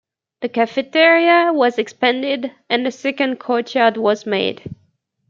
The cafeteria was expanded and a second courtyard was made.